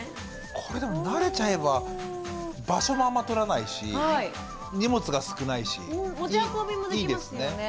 これでも慣れちゃえば場所もあんま取らないし荷物が少ないしいいですね。